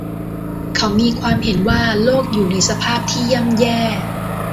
เขามีความเห็นว่าโลกอยู่ในสภาพที่ย่ำแย่